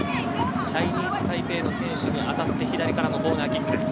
チャイニーズタイペイの選手に当たって左からのコーナーキックです。